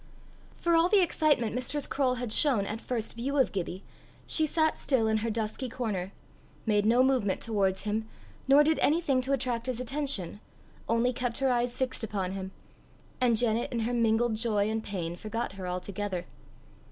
For all the excitement Mistress Croale had shown at first view of Gibbie, she sat still in her dusky corner, made no movement towards him, nor did anything to attract his attention, only kept her eyes fixed upon him; and Janet in her mingled joy and pain forgot her altogether.